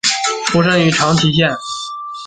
出身于长崎县。